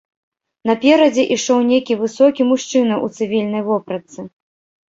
Наперадзе ішоў нейкі высокі мужчына ў цывільнай вопратцы.